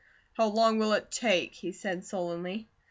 "How long will it take?" he said sullenly.